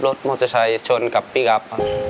รถมอเตอร์ไชชนกับพี่กลับ